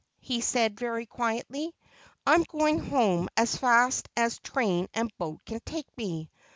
he said, very quietly. ' I am going home as fast as train and boat can take me.